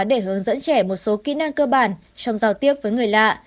để hướng dẫn trẻ một số kỹ năng cơ bản trong giao tiếp với người lạ